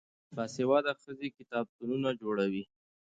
باسواده ښځې کتابتونونه جوړوي.